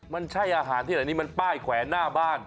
มันใช่อาหารที่ไหนนี่มันป้ายแขวนหน้าบ้าน